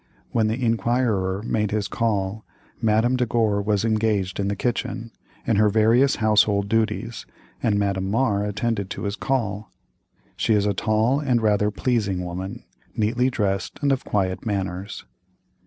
When the inquirer made his call, Madame de Gore was engaged in the kitchen, in her various household duties, and Madame Mar attended to his call. She is a tall and rather pleasing woman, neatly dressed and of quiet manners.